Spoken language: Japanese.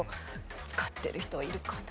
使ってる人いるかな。